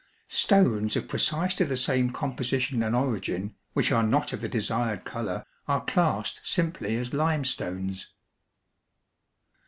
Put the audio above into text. Stones of precisely the same composition and origin, which are not of the desired color, are classed simply as limestones.